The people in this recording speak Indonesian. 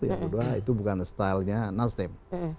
yang kedua itu bukan stylenya nasdem